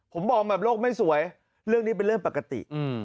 ผมมองแบบโลกไม่สวยเรื่องนี้เป็นเรื่องปกติ